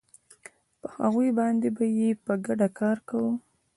په هغوی باندې به یې په ګډه کار کاوه